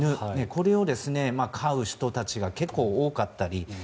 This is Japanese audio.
これを飼う人たちが結構多かったり。